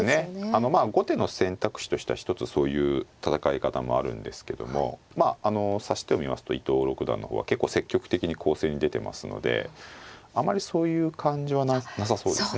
あのまあ後手の選択肢としては一つそういう戦い方もあるんですけどもまああの指し手を見ますと伊藤六段の方は結構積極的に攻勢に出てますのであまりそういう感じはなさそうですね。